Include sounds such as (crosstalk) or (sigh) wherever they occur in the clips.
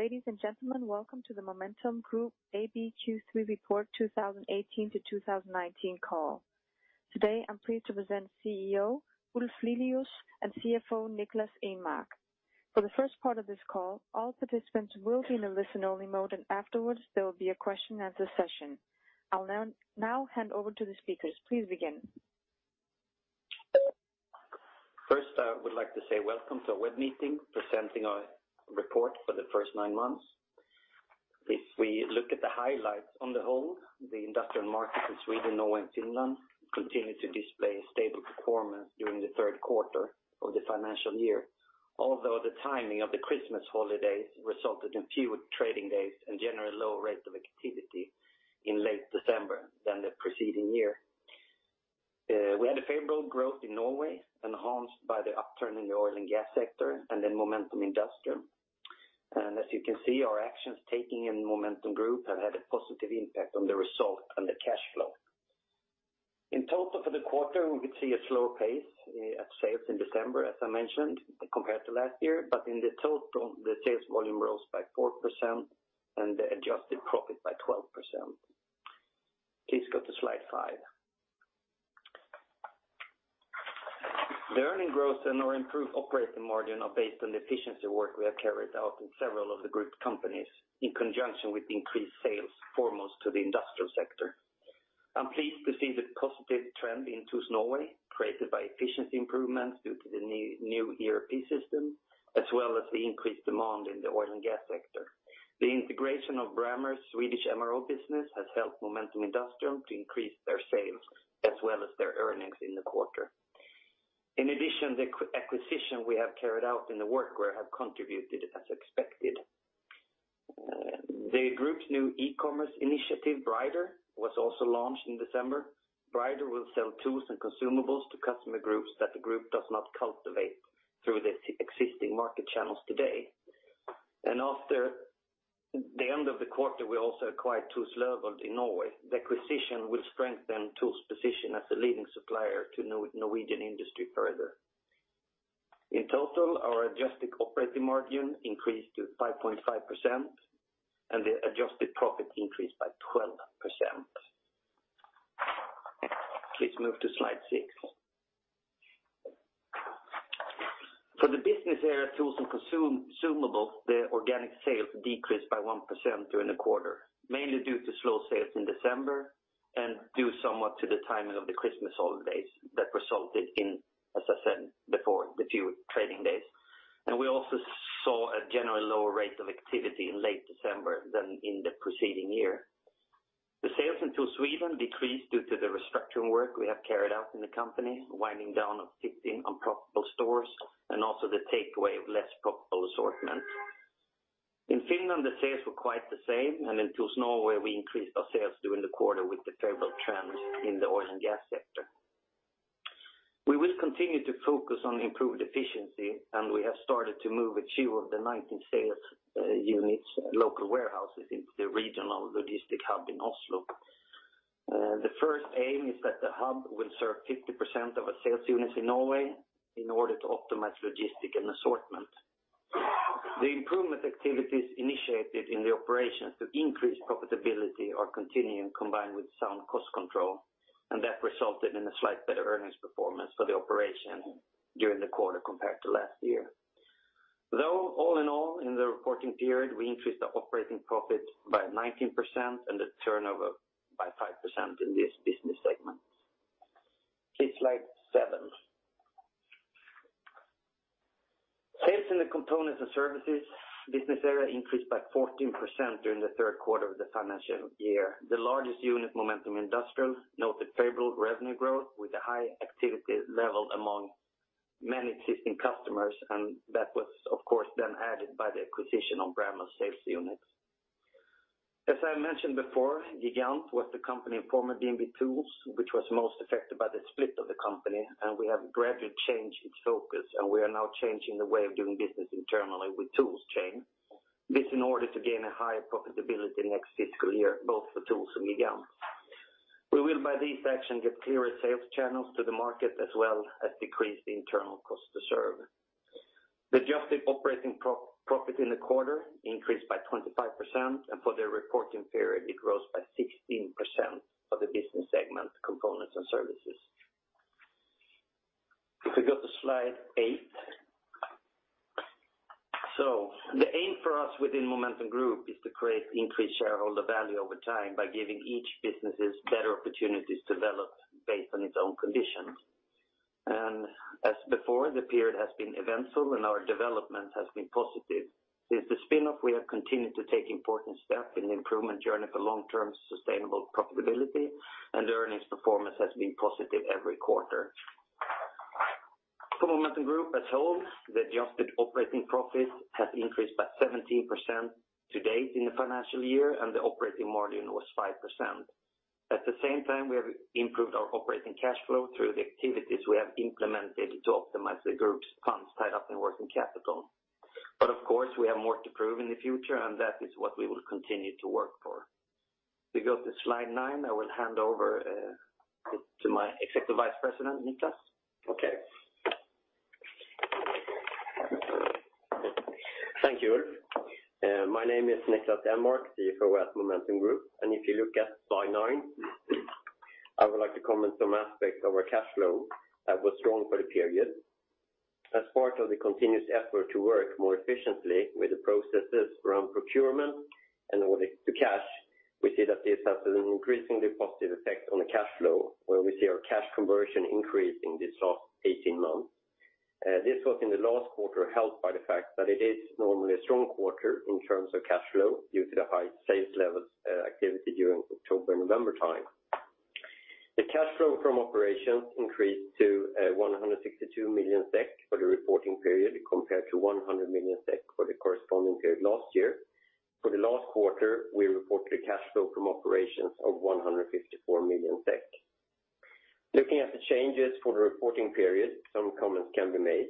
Ladies and gentlemen, welcome to the Momentum Group AB Q3 report 2018 to 2019 call. Today, I'm pleased to present CEO Ulf Lilius and CFO Niklas Enmark. For the first part of this call, all participants will be in a listen-only mode, and afterwards, there will be a question and answer session. I'll now hand over to the speakers. Please begin. First, I would like to say welcome to our web meeting, presenting our report for the first nine months. If we look at the highlights on the whole, the industrial market in Sweden, Norway, and Finland continued to display stable performance during the third quarter of the financial year. Although the timing of the Christmas holidays resulted in fewer trading days and generally lower rates of activity in late December than the preceding year. We had a favorable growth in Norway, enhanced by the upturn in the oil and gas sector and in Momentum Industrial. And as you can see, our actions taking in Momentum Group have had a positive impact on the result and the cash flow. In total, for the quarter, we could see a slower pace at sales in December, as I mentioned, compared to last year, but in the total, the sales volume rose by 4% and the adjusted profit by 12%. Please go to slide five. The earnings growth and our improved operating margin are based on the efficiency work we have carried out in several of the group companies in conjunction with increased sales, foremost to the industrial sector. I'm pleased to see the positive trend in TOOLS Norway, created by efficiency improvements due to the new ERP system, as well as the increased demand in the oil and gas sector. The integration of Brammer's Swedish MRO business has helped Momentum Industrial to increase their sales as well as their earnings in the quarter. In addition, the acquisition we have carried out in the workwear have contributed as expected. The group's new e-commerce initiative, brider.se, was also launched in December. brider.se will sell tools and consumables to customer groups that the group does not cultivate through the existing market channels today. After the end of the quarter, we also acquired TOOLS Løvold in Norway. The acquisition will strengthen TOOLS' position as a leading supplier to Norwegian industry further. In total, our adjusted operating margin increased to 5.5%, and the adjusted profit increased by 12%. Please move to slide six. For the business area, Tools and Consumables, the organic sales decreased by 1% during the quarter, mainly due to slow sales in December and due somewhat to the timing of the Christmas holidays that resulted in, as I said before, the few trading days. We also saw a generally lower rate of activity in late December than in the preceding year. The sales in TOOLS Sweden decreased due to the restructuring work we have carried out in the company, winding down of 15 unprofitable stores, and also the takeaway of less profitable assortment. In Finland, the sales were quite the same, and in TOOLS Norway, we increased our sales during the quarter with the favorable trends in the oil and gas sector. We will continue to focus on improved efficiency, and we have started to move two of the 19 sales units local warehouses into the regional logistic hub in Oslo. The first aim is that the hub will serve 50% of our sales units in Norway in order to optimize logistic and assortment. The improvement activities initiated in the operations to increase profitability are continuing, combined with sound cost control, and that resulted in a slight better earnings performance for the operation during the quarter compared to last year. Though, all in all, in the reporting period, we increased the operating profit by 19% and the turnover by 5% in this business segment. Please, slide seven. Sales Components & Services business area increased by 14% during the third quarter of the financial year. The largest unit, Momentum Industrial, noted favorable revenue growth with a high activity level among many existing customers, and that was, of course, then added by the acquisition of Brammer sales units. As I mentioned before, Gigant was the company, former B&B Tools, which was most affected by the split of the company, and we have gradually changed its focus, and we are now changing the way of doing business internally with TOOLS chain. This in order to gain a higher profitability next fiscal year, both for TOOLS and Gigant. We will, by this action, get clearer sales channels to the market, as well as decrease the internal cost to serve. The adjusted operating profit in the quarter increased by 25%, and for the reporting period, it grows by 16% of the Components & Services. if we go to slide eight. The aim for us within Momentum Group is to create increased shareholder value over time by giving each businesses better opportunities to develop based on its own conditions. As before, the period has been eventful and our development has been positive. Since the spin-off, we have continued to take important steps in the improvement journey for long-term sustainable profitability, and the earnings performance has been positive every quarter. For Momentum Group as a whole, the adjusted operating profit has increased by 17% to date in the financial year, and the operating margin was 5%. At the same time, we have improved our operating cash flow through the activities we have implemented to optimize the group's funds tied up in working capital. Of course, we have more to prove in the future, and that is what we will continue to work for... We go to slide nine, I will hand over to my Executive Vice President, Niklas. Okay. Thank you, Ulf. My name is Niklas Enmark, CFO at Momentum Group. If you look at slide nine, I would like to comment some aspects of our cash flow that was strong for the period. As part of the continuous effort to work more efficiently with the processes around procurement and order to cash, we see that this has an increasingly positive effect on the cash flow, where we see our cash conversion increasing this last 18 months. This was in the last quarter, helped by the fact that it is normally a strong quarter in terms of cash flow due to the high sales levels, activity during October, November time. The cash flow from operations increased to 162 million SEK for the reporting period, compared to 100 million SEK for the corresponding period last year. For the last quarter, we reported a cash flow from operations of 154 million SEK. Looking at the changes for the reporting period, some comments can be made.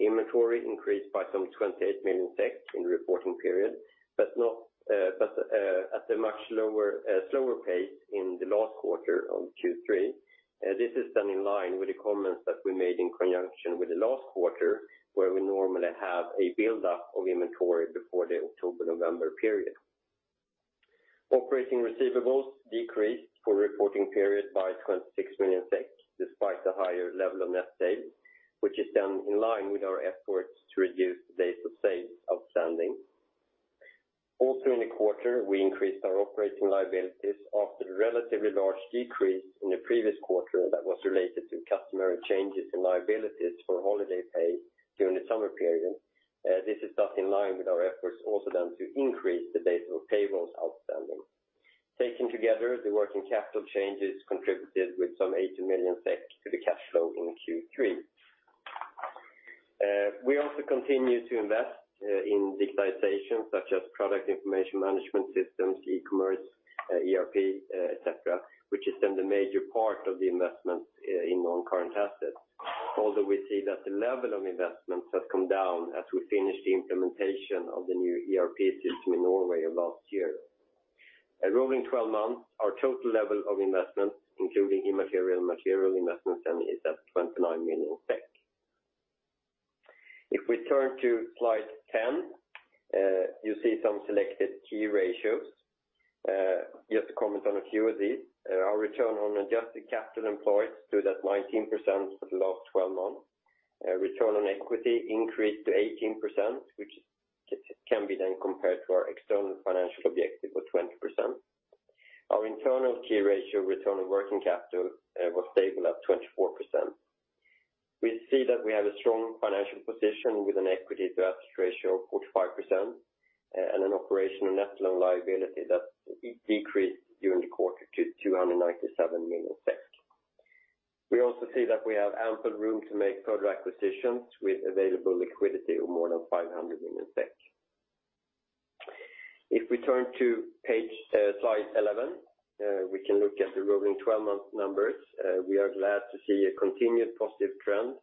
Inventory increased by some 28 million in the reporting period, but not, but, at a much lower, slower pace in the last quarter of Q3. This is done in line with the comments that we made in conjunction with the last quarter, where we normally have a build-up of inventory before the October-November period. Operating receivables decreased for reporting period by 26 million SEK, despite the higher level of net sales, which is done in line with our efforts to reduce days of sales outstanding. Also, in the quarter, we increased our operating liabilities after the relatively large decrease in the previous quarter that was related to customary changes in liabilities for holiday pay during the summer period. This is done in line with our efforts, also done to increase the days of payables outstanding. Taking together, the working capital changes contributed with some 80 million SEK to the cash flow in Q3. We also continue to invest in digitization, such as product information management systems, e-commerce, ERP, et cetera, which is then the major part of the investment in non-current assets. Although, we see that the level of investments has come down as we finish the implementation of the new ERP system in Norway about a year. A rolling 12 months, our total level of investments, including immaterial and material investments, and is at 29 million. If we turn to slide 10, you see some selected key ratios. Just to comment on a few of these. Our return on adjusted capital employed stood at 19% for the last 12 months. Return on equity increased to 18%, which can be then compared to our external financial objective of 20%. Our internal key ratio, return on working capital, was stable at 24%. We see that we have a strong financial position with an equity to asset ratio of 45%, and an operational net loan liability that decreased during the quarter to 297 million. We also see that we have ample room to make further acquisitions with available liquidity of more than 500 million SEK. If we turn to page, slide 11, we can look at the rolling 12-month numbers. We are glad to see a continued positive trend,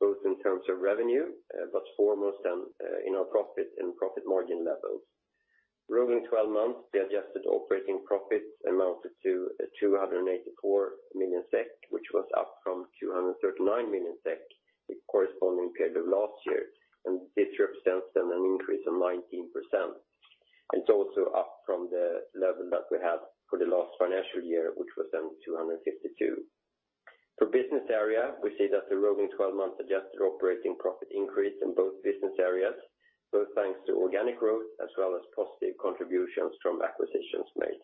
both in terms of revenue, but foremost on, in our profit and profit margin levels. Rolling 12 months, the adjusted operating profits amounted to 284 million SEK, which was up from 239 million SEK, the corresponding period of last year, and this represents then an increase of 19%. It's also up from the level that we had for the last financial year, which was then 252 million. For business area, we see that the rolling 12-month adjusted operating profit increased in both business areas, both thanks to organic growth as well as positive contributions from acquisitions made.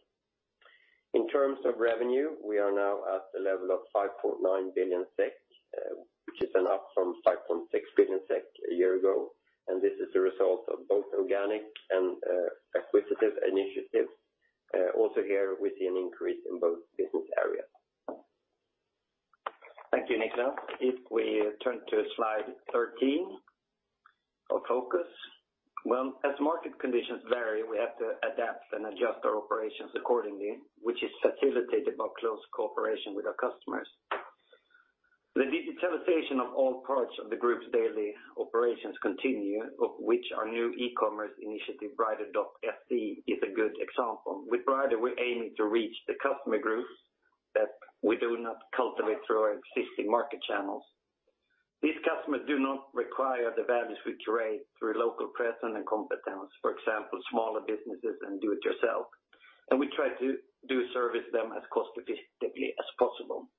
In terms of revenue, we are now at the level of 5.9 billion SEK, which is an up from 5.6 billion SEK a year ago, and this is a result of both organic and acquisitive initiatives. Also here, we see an increase in both business areas. Thank you, Niklas. If we turn to slide 13, our focus. Well, as market conditions vary, we have to adapt and adjust our operations accordingly, which is facilitated by close cooperation with our customers. The digitalization of all parts of the group's daily operations continue, of which our new e-commerce initiative, brider.se, is a good example. With Brider, we're aiming to reach the customer groups that we do not cultivate through our existing market channels. These customers do not require the values we create through local presence and competence, for example, smaller businesses and do it yourself, and we try to do service them as cost effectively as possible.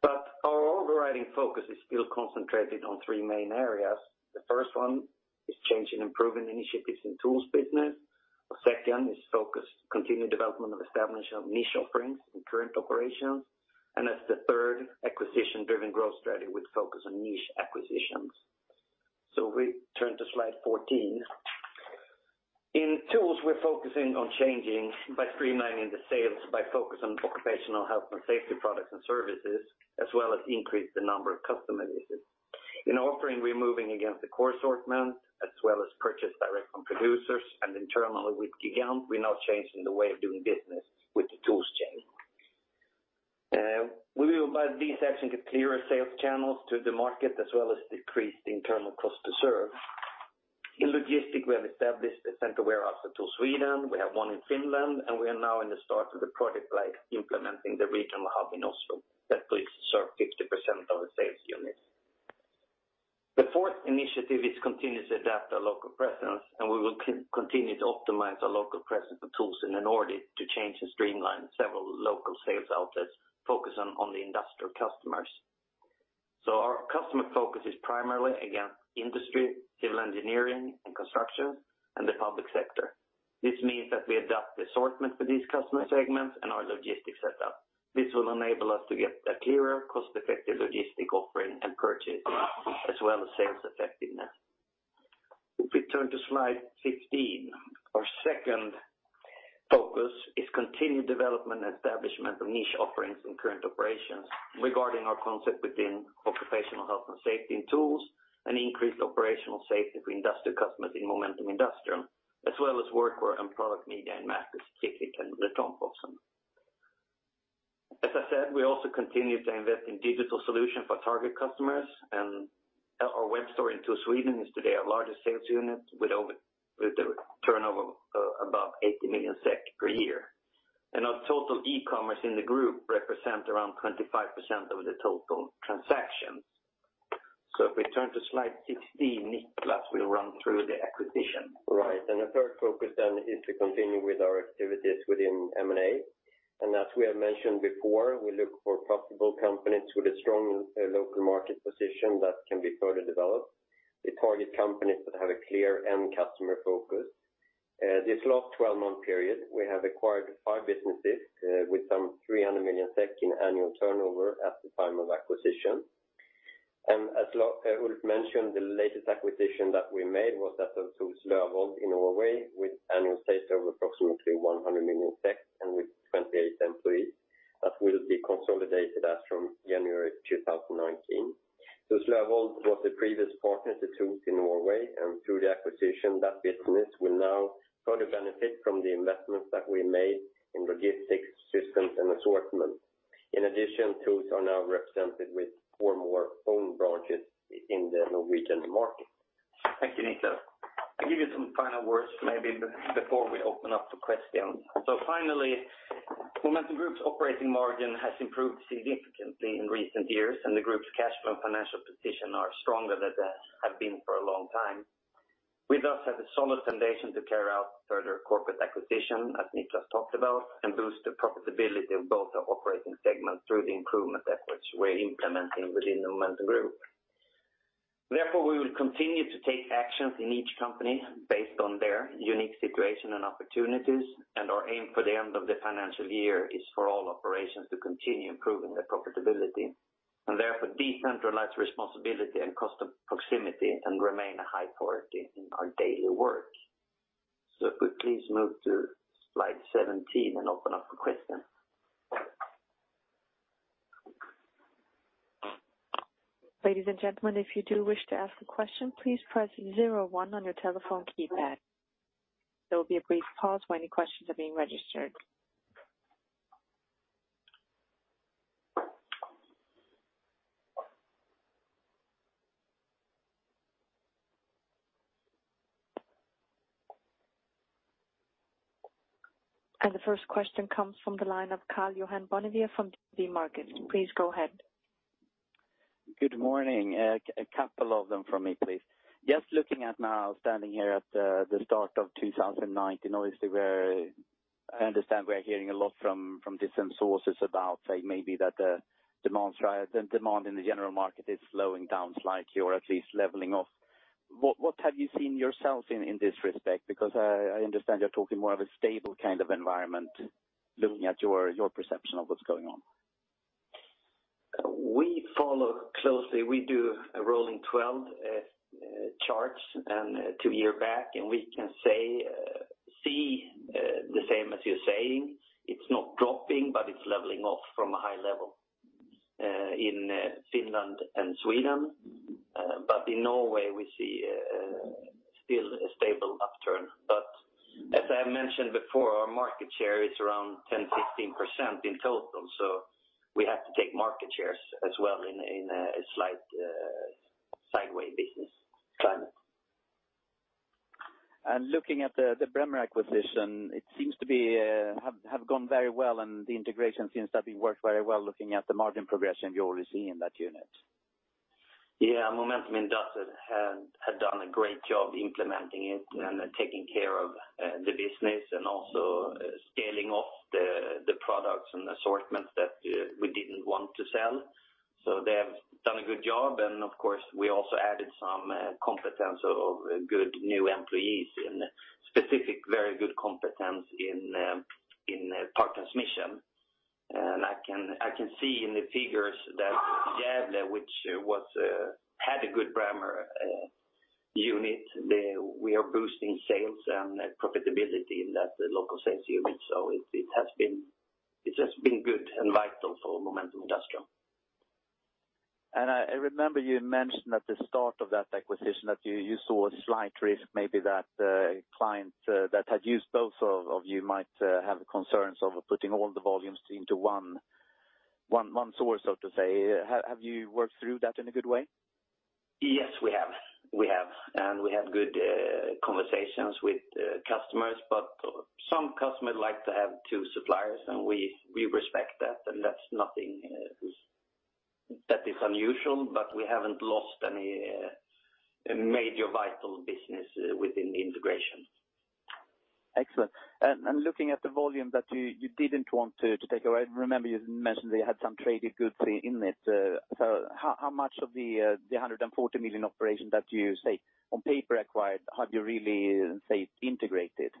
But our overriding focus is still concentrated on three main areas. The first one is change and improving initiatives in TOOLS business. The second is focus, continued development of establishment of niche offerings in current operations. As the third, acquisition-driven growth strategy, which focus on niche acquisitions. We turn to slide 14. In TOOLS, we're focusing on changing by streamlining the sales, by focus on occupational health and safety products and services, as well as increase the number of customer visits. In offering, we're moving against the core assortment, as well as purchase direct from producers. Internally with Gigant, we're now changing the way of doing business with the TOOLS chain (audio distortion) but these actions get clearer sales channels to the market, as well as decreased internal cost to serve. In logistic, we have established a center warehouse to Sweden, we have one in Finland, and we are now in the start of the project like implementing the regional hub in Oslo that please serve 50% of the sales units. The fourth initiative is continue to adapt our local presence, and we will continue to optimize our local presence for TOOLS in order to change and streamline several local sales outlets, focusing on the industrial customers. So our customer focus is primarily against industry, civil engineering, and construction, and the public sector. This means that we adapt the assortment for these customer segments and our logistics setup. This will enable us to get a clearer, cost-effective logistic offering and purchase, as well as sales effectiveness. If we turn to slide 15, our second focus is continued development and establishment of niche offerings in current operations regarding our concept within occupational health and safety in TOOLS, and increased operational safety for industrial customers in Momentum Industrial, as well as Workwear and Product Media and Mercus, specifically can live on for some. As I said, we also continue to invest in digital solution for target customers, and our web store in Sweden is today our largest sales unit, with a turnover above 80 million SEK per year. Our total e-commerce in the group represents around 25% of the total transactions. So if we turn to slide 16, Niklas will run through the acquisition. Right, the third focus then is to continue with our activities within M&A. As we have mentioned before, we look for profitable companies with a strong, local market position that can be further developed. We target companies that have a clear end customer focus. This last 12-month period, we have acquired five businesses, with some 300 million SEK in annual turnover at the time of acquisition. As Ulf mentioned, the latest acquisition that we made was that of TOOLS Løvold in Norway, with annual sales of approximately 100 million and with 28 employees, that will be consolidated as from January 2019. TOOLS Løvold was the previous partner to TOOLS in Norway, and through the acquisition, that business will now further benefit from the investments that we made in logistics, systems, and assortment. In addition, TOOLS are now represented with four more own branches in the Norwegian market. Thank you, Niklas. I'll give you some final words, maybe before we open up to questions. So finally, Momentum Group's operating margin has improved significantly in recent years, and the group's cash flow and financial position are stronger than they have been for a long time. We thus have a solid foundation to carry out further corporate acquisition, as Niklas talked about, and boost the profitability of both our operating segments through the improvement efforts we're implementing within the Momentum Group. Therefore, we will continue to take actions in each company based on their unique situation and opportunities, and our aim for the end of the financial year is for all operations to continue improving their profitability, and therefore decentralized responsibility and customer proximity and remain a high priority in our daily work. So if we please move to slide 17 and open up for questions. Ladies and gentlemen, if you do wish to ask a question, please press zero one on your telephone keypad. There will be a brief pause while your questions are being registered. The first question comes from the line of Karl-Johan Bonnevier from DNB Markets. Please go ahead. Good morning. A couple of them from me, please. Just looking at now, standing here at the start of 2019, obviously, we're—I understand we're hearing a lot from different sources about, say, maybe that the demand side—the demand in the general market is slowing down slightly, or at least leveling off. What have you seen yourself in this respect? Because I understand you're talking more of a stable kind of environment, looking at your perception of what's going on. We follow closely. We do a rolling 12, charts and two year back, and we can say, see, the same as you're saying. It's not dropping, but it's leveling off from a high level, in Finland and Sweden. But in Norway, we see, still a stable upturn. But as I mentioned before, our market share is around 10%-15% in total, so we have to take market shares as well in a slight sideways business climate. Looking at the Brammer acquisition, it seems to have gone very well, and the integration seems to have been worked very well, looking at the margin progression you already see in that unit. Yeah, Momentum Industrial had done a great job implementing it and taking care of the business, and also scaling off the products and the assortment that we didn't want to sell. So they have done a good job, and of course, we also added some competence of good new employees in specific, very good competence in power transmission. And I can see in the figures that Gävle, which had a good Brammer unit, we are boosting sales and profitability in that local sales unit. So it has been good and vital for Momentum Industrial.... I remember you mentioned at the start of that acquisition that you saw a slight risk, maybe that clients that had used both of you might have concerns over putting all the volumes into one source, so to say. Have you worked through that in a good way? Yes, we have. We have, and we had good conversations with customers, but some customers like to have two suppliers, and we respect that, and that's nothing that is unusual, but we haven't lost any major vital business within the integration. Excellent. And looking at the volume that you didn't want to take away, I remember you mentioned that you had some traded goods in it. So how much of the 140 million operation that you say on paper acquired, have you really, say, integrated?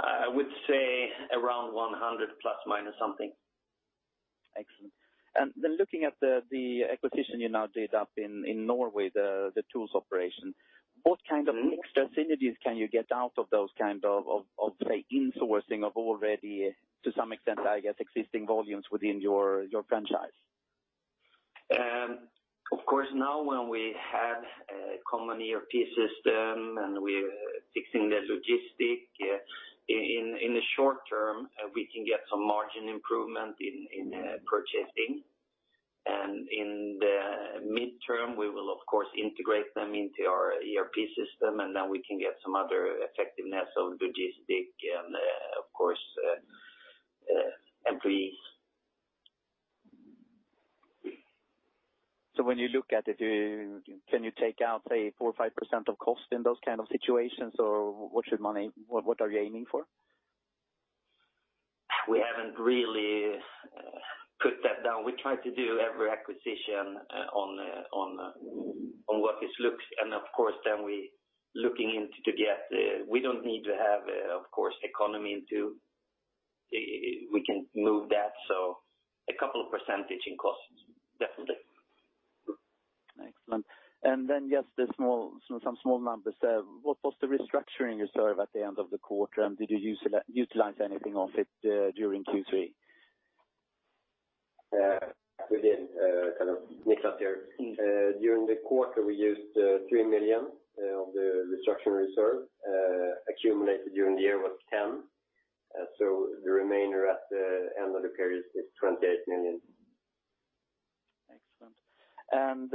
I would say around 100+ million, minus something. Excellent. And then looking at the acquisition you now did up in Norway, the TOOLS operation, what kind of mix synergies can you get out of those kind of, say, insourcing of already, to some extent, I guess, existing volumes within your franchise? Of course, now when we have a common ERP system and we're fixing the logistics in the short term, we can get some margin improvement in purchasing. And in the midterm, we will, of course, integrate them into our ERP system, and then we can get some other effectiveness of logistics and, of course, every- When you look at it, can you take out, say, 4% or 5% of cost in those kind of situations, or what should Momentum—what are you aiming for? We haven't really put that down. We try to do every acquisition on what this looks. And of course, then we looking into to get. We don't need to have, of course, economy into, we can move that, so a couple of percentage in costs, definitely. Excellent. And then just a small, some small numbers. What was the restructuring reserve at the end of the quarter, and did you use, utilize anything of it during Q3? We did kind of mix up here. During the quarter, we used 3 million of the restructuring reserve accumulated during the year was 10 million. So the remainder at the end of the period is 28 million. Excellent. And,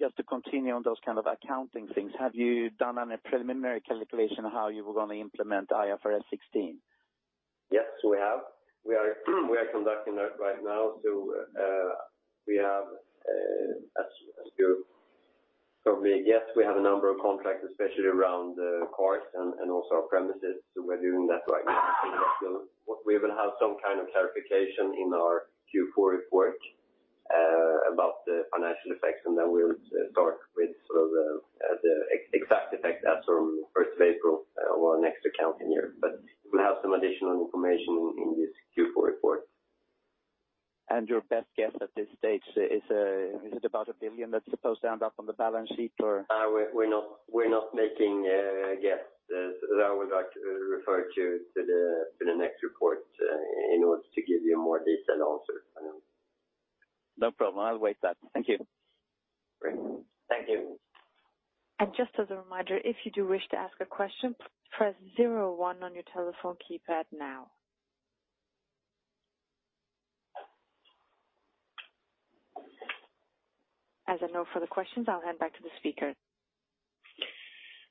just to continue on those kind of accounting things, have you done any preliminary calculation on how you were going to implement IFRS 16? Yes, we have. We are conducting that right now. So, we have, as you probably guess, we have a number of contracts, especially around the cars and also our premises, so we're doing that right now. We will have some kind of clarification in our Q4 report about the financial effects, and then we'll start with sort of the exact effect as from first of April or next accounting year. But we have some additional information in this Q4 report. Your best guess at this stage is, is it about 1 billion that's supposed to end up on the balance sheet, or? We're not making a guess. I would like to refer to the next report in order to give you a more detailed answer. No problem. I'll wait that. Thank you. Great. Thank you. Just as a reminder, if you do wish to ask a question, press zero one on your telephone keypad now. As there are no further questions, I'll hand back to the speaker.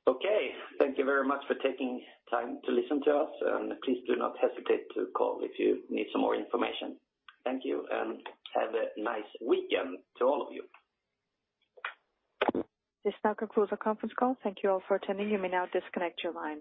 Okay. Thank you very much for taking time to listen to us, and please do not hesitate to call if you need some more information. Thank you, and have a nice weekend to all of you. This now concludes our conference call. Thank you all for attending. You may now disconnect your lines.